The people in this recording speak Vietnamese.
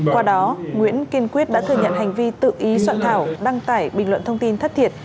qua đó nguyễn kiên quyết đã thừa nhận hành vi tự ý soạn thảo đăng tải bình luận thông tin thất thiệt